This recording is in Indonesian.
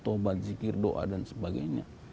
taubat zikir doa dan sebagainya